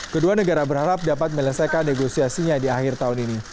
kedua negara berharap dapat melesaikan negosiasinya di akhir tahun ini